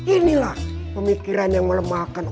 inilah pemikiran yang melemahkan